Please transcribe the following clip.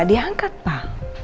gak diangkat pak